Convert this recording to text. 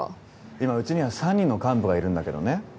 今うちには３人の幹部がいるんだけどね。